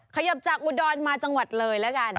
ขยับจากอุดรมาจังหวัดเลยแล้วกัน